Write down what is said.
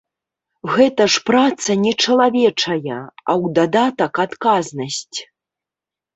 Гэта ж праца нечалавечая, а ў дадатак адказнасць.